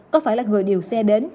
có phải là người điều xe đến